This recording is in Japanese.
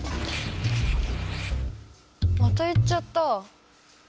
また行っちゃった。